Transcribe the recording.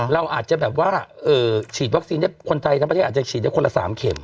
เราอาจจะแบบว่าฉีดวัคซีนได้คนไทยทั้งประเทศอาจจะฉีดได้คนละ๓เข็ม